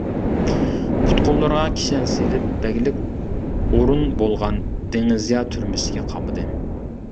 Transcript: پۇت-قوللىرىغا كىشەن سېلىپ، بەگلىك ئۇرۇن بولغان دىڭزىيا تۈرمىسىگە قامىدى.